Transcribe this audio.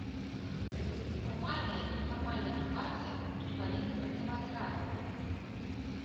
Фармальная і нефармальная адукацыя тут павінны працаваць разам.